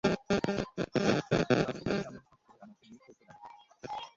তারপর তিনি আমার হাত ধরে আমাকে নিয়ে চলতে লাগলেন।